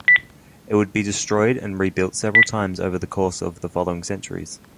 It would be destroyed and rebuilt several times over the course of following centuries.